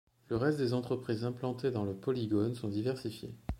Le reste des entreprises implantées dans le polygone sont diversifiées.